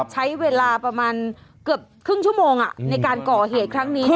ใช้เวลาประมาณเกือบ๓๐ชั่วโมงในการก่อเหตุครั้งนี้นะครับ